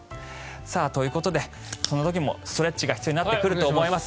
ということでそんな時もストレッチが必要になってくると思います。